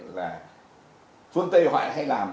là thuốc tây hoại hay làm